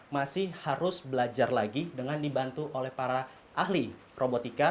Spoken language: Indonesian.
masih harus belajar lagi dengan dibantu oleh para ahli robotika